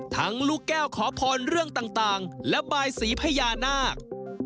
ลูกแก้วขอพรเรื่องต่างและบายสีพญานาค